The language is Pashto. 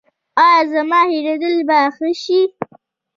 ایا زما هیریدل به ښه شي؟